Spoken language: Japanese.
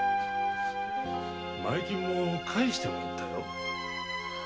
前金も返してもらったよ。